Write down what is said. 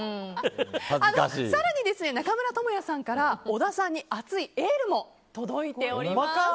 更に、中村倫也さんから小田さんに熱いエールも届いております。